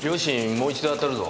もう一度当たるぞ。